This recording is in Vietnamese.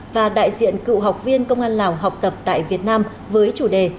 và đại diện cựu học viên công an lào học tập tại việt nam với chủ đề